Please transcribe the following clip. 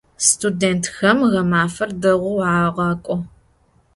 Studêntxem ğemafer deêu ağak'o.